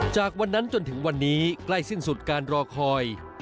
จากวันนั้นจนถึงวันนี้ใกล้สิ้นสุดการรอคอย